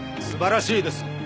素晴らしいです。